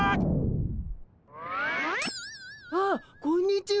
あっこんにちは。